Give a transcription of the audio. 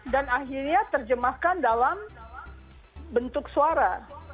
dan akhirnya terjemahkan dalam bentuk suara